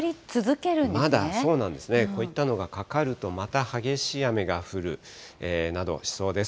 まだ、そうなんですね、こういったのがかかるとまた激しい雨が降るなどしそうです。